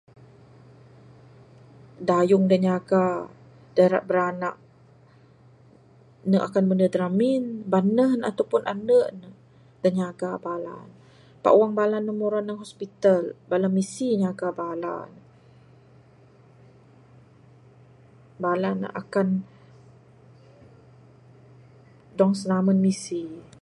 Dayung da ngaga, dak rak biranak, ne akan mendu da ramin. Banuh ne atau pun andu ne da nyaga bala ne. Pak wang bala ne ra ndug hospital, bala misi nyaga bala ne. Bala ne akan dong sinamun misi.